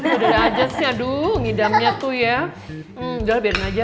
udah aja sih aduh ngidamnya tuh ya udah biarin aja